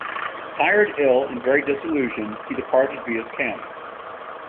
Tired, ill, and very disillusioned, he departed Villa's camp.